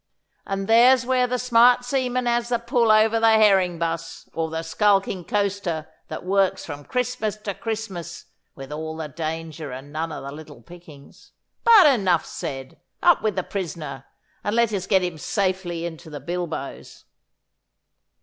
'And there's where the smart seaman has the pull over the herring buss, or the skulking coaster that works from Christmas to Christmas with all the danger and none of the little pickings. But enough said! Up with the prisoner, and let us get him safely into the bilboes.